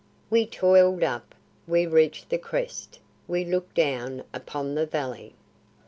We toiled up; we reached the crest; we looked down upon the valley.